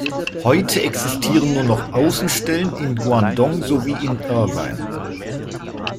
Heute existieren nur noch Außenstellen in Guangdong sowie in Irvine.